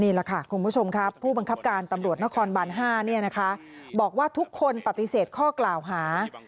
นี่แหละค่ะคุณผู้ชมครับผู้บังคับการตำรวจนครบาน๕บอกว่าทุกคนปฏิเสธข้อกล่าวหา